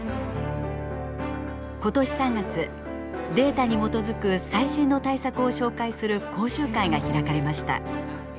今年３月データに基づく最新の対策を紹介する講習会が開かれました。